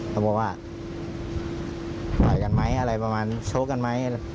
เขาบอกว่าต่อยกันไหมอะไรประมาณโชคกันไหม